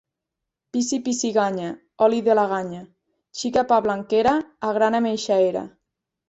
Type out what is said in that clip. Pissi-pissi-ganya, oli de la ganya; xica pablanquera, agrana’m eixa era.